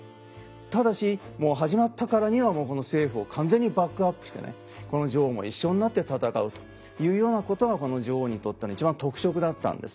ただしもう始まったからにはこの政府を完全にバックアップしてねこの女王も一緒になって戦うというようなことがこの女王にとっての一番特色だったんです。